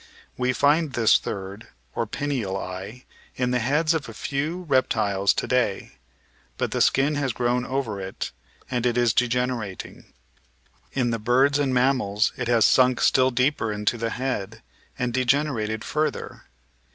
We find this third or pineal eye in the heads of a few reptiles to day, but the skin has grown over it, and it is degenerating. In the birds and mammals it has smik still deeper into the head, and degenerated further.